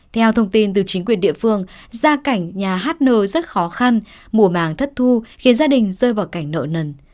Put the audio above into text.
theo thông tin từ chính quyền địa phương gia cảnh nhà hát n rất khó khăn mùa màng thất thu khiến gia đình rơi vào cảnh nợ nần